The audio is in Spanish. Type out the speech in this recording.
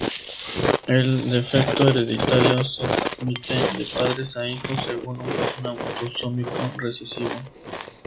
El defecto hereditario se transmite de padres a hijos según un patrón autosómico recesivo.